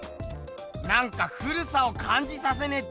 なんか古さをかんじさせねえ